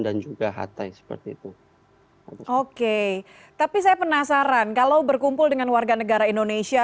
dan juga hatai seperti itu oke tapi saya penasaran kalau berkumpul dengan warga negara indonesia